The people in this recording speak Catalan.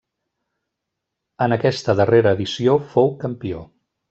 En aquesta darrera edició fou campió.